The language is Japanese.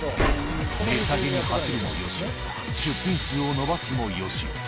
値下げに走るもよし、出品数を伸ばすもよし。